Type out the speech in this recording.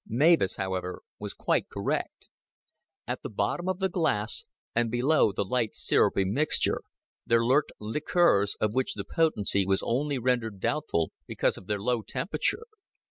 Mavis, however, was quite correct. At the bottom of the glass, and below the light sirupy mixture, there lurked liqueurs of which the potency was only rendered doubtful because of their low temperature.